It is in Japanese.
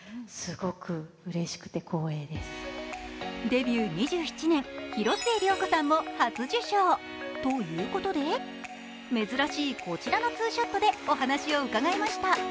デビュー２７年、広末涼子さんも初受賞ということで珍しいこちらのツーショットでお話を伺いました。